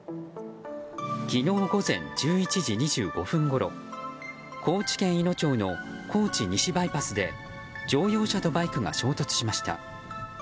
昨日午前１１時２５分ごろ高知県いの町の高知西バイパスで乗用車とバイクが衝突しました。